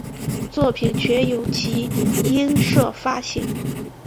作品全由集英社发行。